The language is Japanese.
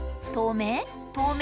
透明？